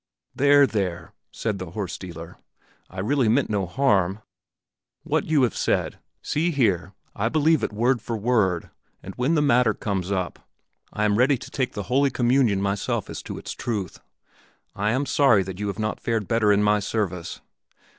"There, there!" said the horse dealer, "I really meant no harm. What you have said see here, I believe it word for word, and when the matter comes up, I am ready to take the Holy Communion myself as to its truth. I am sorry that you have not fared better in my service.